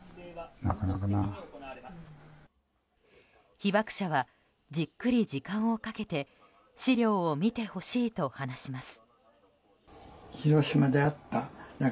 被爆者はじっくり時間をかけて資料を見てほしいと話します。